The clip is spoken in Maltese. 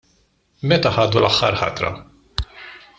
Meta ħadu l-aħħar ħatra?